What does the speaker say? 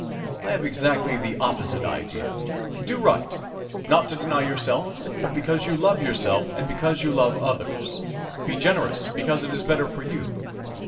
I have exactly the opposite idea. Do right, not to deny yourself, but because you love yourself and because you love others. Be generous, because it is better for you.